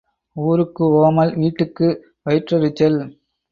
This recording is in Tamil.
ஊருக்கு ஓமல் வீட்டுக்கு வயிற்றெரிச்சல்.